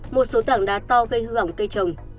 một số tảng đá to gây hư hỏng cây trồng